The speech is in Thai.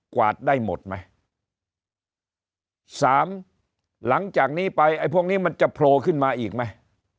วาดได้หมดไหมสามหลังจากนี้ไปไอ้พวกนี้มันจะโผล่ขึ้นมาอีกไหม